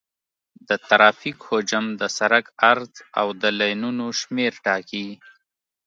د ترافیک حجم د سرک عرض او د لینونو شمېر ټاکي